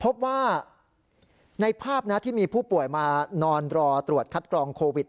พบว่าในภาพที่มีผู้ป่วยมานอนรอตรวจคัดกรองโควิด